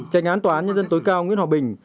tránh án tòa nhân dân tối cao nguyễn hòa bình